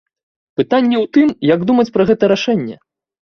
Пытанне ў тым, як думаць пра гэта рашэнне.